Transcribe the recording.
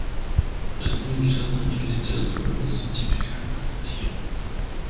Es muy usada en literatura de ciencia ficción y fantasía.